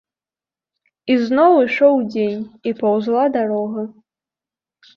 І зноў ішоў дзень, і паўзла дарога.